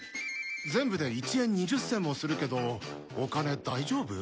全部で１円２０銭もするけどお金大丈夫？